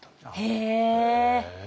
へえ。